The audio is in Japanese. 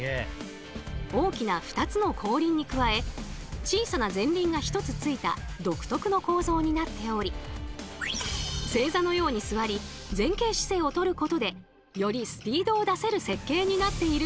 大きな２つの後輪に加え小さな前輪が１つついた独特の構造になっており正座のように座り前傾姿勢をとることでよりスピードを出せる設計になっているんです。